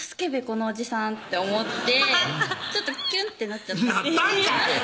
このおじさんって思ってちょっとキュンってなっちゃったなったんかい！